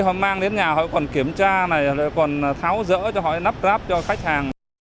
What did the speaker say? họ mang đến nhà họ còn kiểm tra này còn tháo rỡ cho họ nắp ráp cho khách hàng